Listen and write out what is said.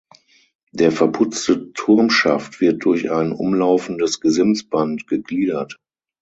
Der verputzte Turmschaft wird durch ein umlaufendes Gesimsband gegliedert.